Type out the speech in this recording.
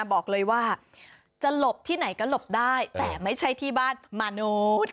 บอกเลยว่าจะหลบที่ไหนก็หลบได้แต่ไม่ใช่ที่บ้านมนุษย์